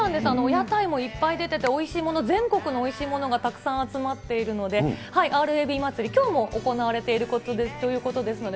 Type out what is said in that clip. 屋台もいっぱい出てて、おいしいもの、全国のおいしいものがたくさん集まっているので、ＲＡＢ祭り、きょうも行われているということですので、